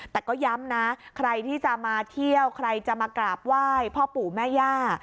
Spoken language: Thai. แต่ก็ย้ำนะใครที่จะมาเที่ยวใครจะมากราบไหว้พ่อปู่แม่ย่า